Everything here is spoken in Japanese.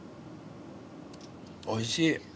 おいしい。